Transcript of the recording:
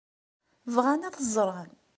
Bɣan ad t-ẓren?